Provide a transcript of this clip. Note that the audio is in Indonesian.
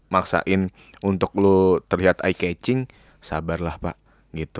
maksain untuk lo terlihat eye catching sabarlah pak gitu